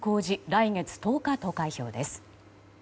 来月１０日投開票です。